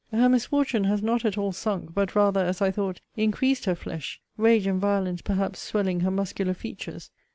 Her misfortune has not at all sunk, but rather, as I thought, increased her flesh; rage and violence perhaps swelling her muscular features.